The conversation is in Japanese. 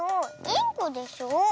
インコでしょ。